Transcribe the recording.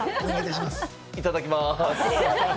いただきます。